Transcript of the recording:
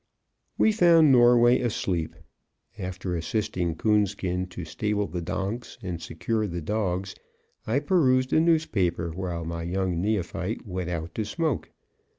We found Norway asleep. After assisting Coonskin to stable the donks and secure the dogs, I perused a newspaper while my young neophyte went out to smoke.